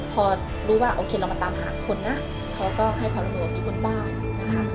พอรู้ว่าโอเคเรามาตามหาคนนะเขาก็ให้ความร่วมมือบ้านนะคะ